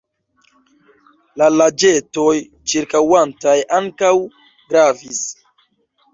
La lagetoj ĉirkaŭantaj ankaŭ gravis.